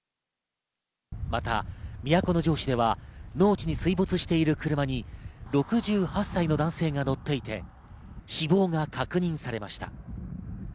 また都城市では農地に水没している車に６８歳の男性が乗っていて、死亡が確認されました。